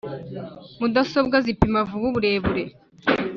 mudasobwa zipima vuba uburebure,